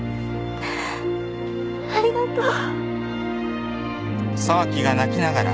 ありがとう。